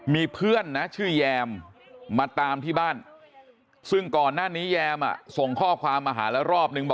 มีเพื่อนนะชื่อแยมมาตามที่บ้านซึ่งก่อนหน้านี้แยมส่งข้อความมาหาแล้วรอบนึงบอก